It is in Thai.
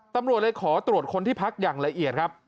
ตำรวจเลยขอตรวจคนที่พักอย่างละเอียดครับ